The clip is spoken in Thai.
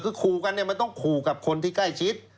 คือขู่กันเนี่ยมันต้องขู่กับคนที่ใกล้ชิด